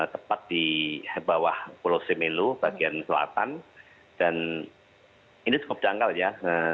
tepat di bawah pulau semelu bagian selatan dan ini cukup dangkal ya